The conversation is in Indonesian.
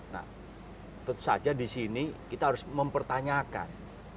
nah tentu saja di sini kita harus mempertanyakan